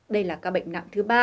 đây là các bệnh nặng thứ ba